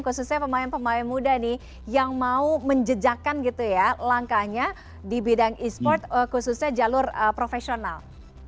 khususnya pemain pemain muda nih yang mau menjejakan gitu ya langkahnya di bidang e sport khususnya jalur profesional